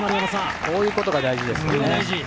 こういうことが大事ですね。